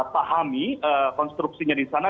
pahami konstruksinya di sana